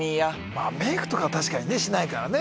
まあメイクとかは確かにねしないからね。